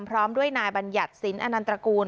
พร้อมด้วยนายบรรยัติศิลป์อตระกูล